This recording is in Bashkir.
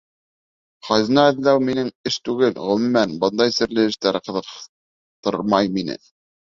Хазина эҙләү минең эш түгел, ғөмүмән, бындай серле эштәр ҡыҙыҡтырмай мине.